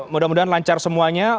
mudah mudahan lancar semuanya